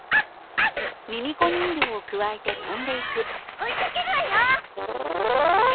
追いかけるわよ！